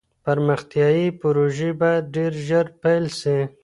پرمختیایي پروژې باید ډېر ژر پیل سي.